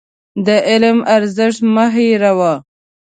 د علم ارزښت مه هېروه.